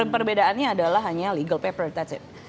perbedaannya adalah hanya legal paper that's it